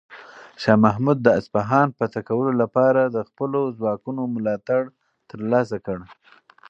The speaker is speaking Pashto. شاه محمود د اصفهان فتح کولو لپاره د خپلو ځواکونو ملاتړ ترلاسه کړ.